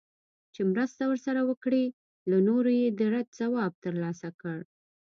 چي مرسته ورسره وکړي له نورو یې د رد ځواب ترلاسه کړ